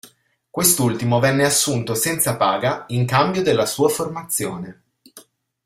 Quest'ultimo venne assunto senza paga in cambio della sua formazione.